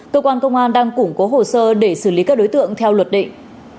cơ quan công an đang củng cố hồ sơ để xử lý các đối tượng theo luật định